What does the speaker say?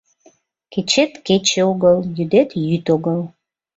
Кечет кече огыл, йӱдет йӱд огыл.